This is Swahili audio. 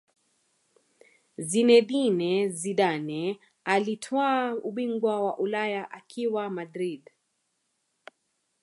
Zinedine Zidane alitwaa ubingwa wa Ulaya akiwa Madrid